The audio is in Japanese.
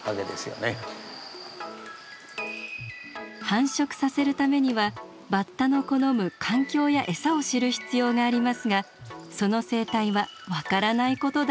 繁殖させるためにはバッタの好む環境や餌を知る必要がありますがその生態は分からないことだらけだったといいます。